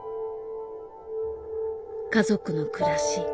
家族の暮らし